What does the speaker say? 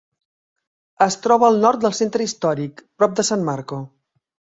Es troba al nord del centre històric, prop de San Marco.